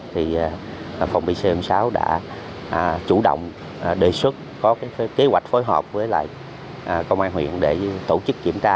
thì phòng bị xe hôm sáu đã chủ động đề xuất có kế hoạch phối hợp với công an huyện để tổ chức kiểm tra